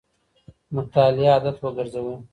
مطالعه عادت وګرځوئ.